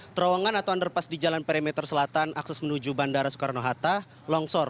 terowongan atau underpass di jalan perimeter selatan akses menuju bandara soekarno hatta longsor